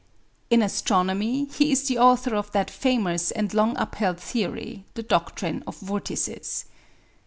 In Astronomy he is the author of that famous and long upheld theory, the doctrine of vortices.